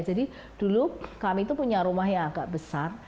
jadi dulu kami itu punya rumah yang agak besar